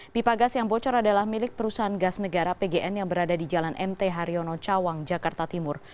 pipa gas yang bocor adalah milik perusahaan gas negara pgn yang berada di jalan mt haryono cawang jakarta timur